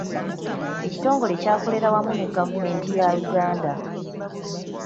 Ekitongole kyakolera wamu ne gavumenti ya Uganda.